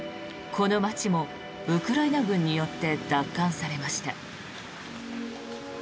この街もウクライナ軍によって奪還されました。